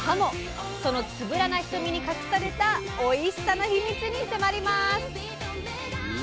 そのつぶらな瞳に隠されたおいしさの秘密に迫ります！